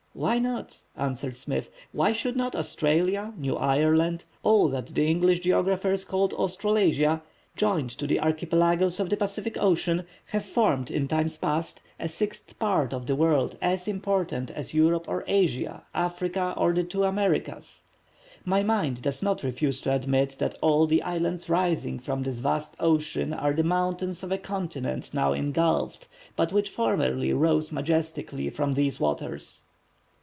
"Why not?" answered Smith. "Why should not Australia, New Ireland, all that the English geographers call Australasia, joined to the Archipelagoes of the Pacific Ocean, have formed in times past a sixth part of the world as important as Europe or Asia, Africa or the two Americas. My mind does not refuse to admit that all the islands rising from this vast ocean are the mountains of a continent now engulphed, but which formerly rose majestically from these waters."